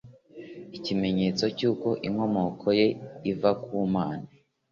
Ikimenyetso cy'uko inkomoko ye iva ku Mana,